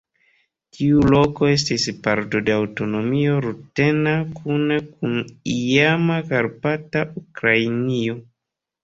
Tiu loko estis parto de aŭtonomio rutena kune kun iama Karpata Ukrainio.